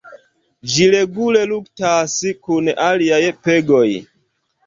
Ĝi regule luktas kun aliaj pegoj.